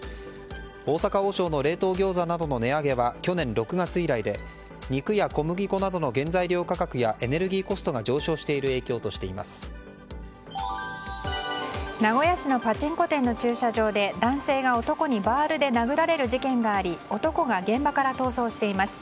大阪王将の冷凍餃子などの値上げは去年６月以来で肉や小麦粉などの原材料価格やエネルギーコストが名古屋市のパチンコ店の駐車場で男性が男にバールで殴られる事件があり男が現場から逃走しています。